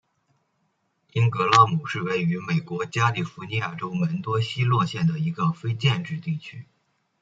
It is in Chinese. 因格拉姆是位于美国加利福尼亚州门多西诺县的一个非建制地区。